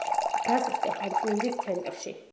დგას სტეფანწმინდის ცენტრში.